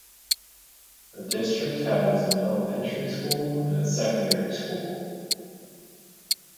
The district has an elementary school and secondary school.